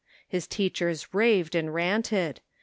His teachers raved and ranted.